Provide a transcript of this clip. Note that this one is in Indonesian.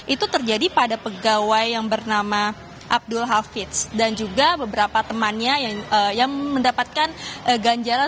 itu terjadi pada pegawai yang bernama abdul hafiz dan juga beberapa temannya yang mendapatkan ganjalan